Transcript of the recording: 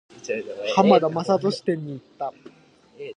浜田雅功展に行った。